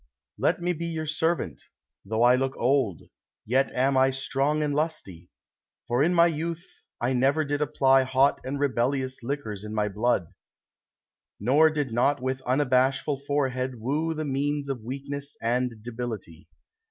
— Let me be your servant ; Though I look old, yet am I strong and lusty : For in my youth I never did apply Hot and rebellious liquors in my blood ; Nor did not with unbashful forehead woo The means of weakness and debility.